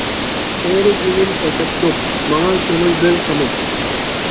قېرى جېنىم تەسەددۇق، ماڭا كۆڭۈل بۆل خېنىم.